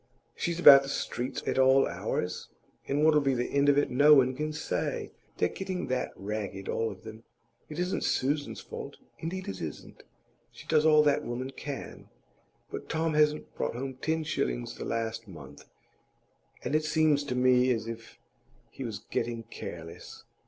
She's about the streets at all hours, and what'll be the end of it no one can say. They're getting that ragged, all of them. It isn't Susan's fault; indeed it isn't. She does all that woman can. But Tom hasn't brought home ten shillings the last month, and it seems to me as if he was getting careless.